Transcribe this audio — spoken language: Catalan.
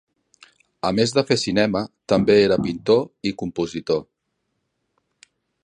A més de fer cinema, també era pintor i compositor.